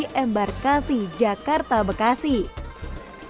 ketika kita mencari makanan yang tidak berhasil kita berhasil mencari makanan yang tidak berhasil